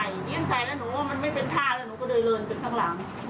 แล้วตอนนี้แกก็ยิ้มใส่ยิ้มใส่แล้วหนูว่ามันไม่เป็นท่าแล้วหนูก็เดินเรินไปข้างหลัง